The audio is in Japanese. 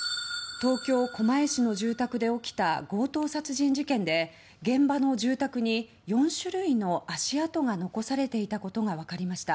東京・狛江市の住宅で起きた強盗殺人事件で現場の住宅に４種類の足跡が残されていたことが分かりました。